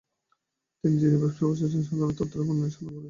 তিনি ব্যবসায় প্রশাসন বিষয়ের সাধারণ তত্ত্বের উন্নয়ন সাধন করেছেন।